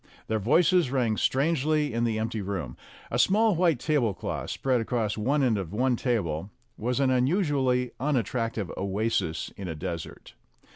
Their voices rang strangely in the empty room. A small white tablecloth, spread across one end of one table, was an unusually unattrac tive oasis in a desert.